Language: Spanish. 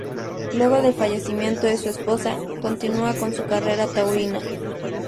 Luego del fallecimiento de su esposa, continúa con su carrera taurina.